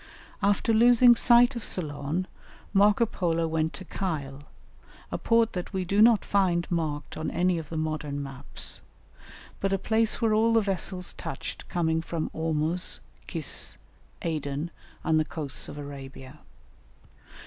After losing sight of Ceylon, Marco Polo went to Cail, a port that we do not find marked on any of the modern maps, but a place where all the vessels touched coming from Ormuz, Kiss, Aden, and the coasts of Arabia.